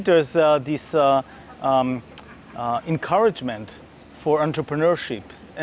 dan ada alam yang mencari kemampuan untuk perusahaan